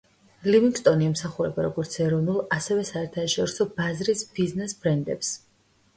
ლივინგსტონი ემსახურება როგორც ეროვნულ ასევე საერთაშორისო ბაზრის ბიზნეს ბრენდებს.